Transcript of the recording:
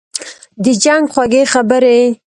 « د جنګ خوږې خبري